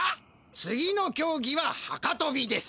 次のきょうぎははかとびです！